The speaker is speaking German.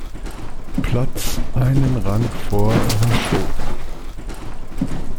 Platz, einen Rang vor La Chaux.